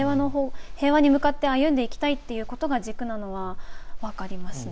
平和に向かって歩んでいきたいというのが軸なのは分かりますね。